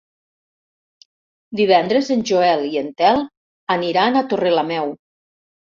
Divendres en Joel i en Telm aniran a Torrelameu.